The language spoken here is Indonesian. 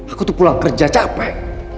aku tuh pulang kerja capek